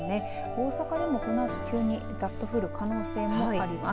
大阪でもこのあと急にざっと降る可能性もあります。